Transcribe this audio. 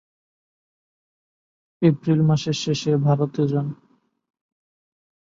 April মাসের শেষে ভারতে যান।